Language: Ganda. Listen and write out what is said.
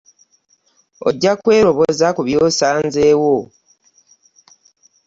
Ojja kweroboza ku by'osanzeewo.